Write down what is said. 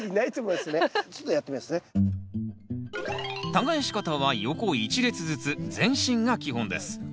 耕し方は横一列ずつ前進が基本です。